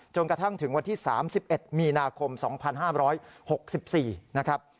กระทั่งถึงวันที่๓๑มีนาคม๒๕๖๔นะครับ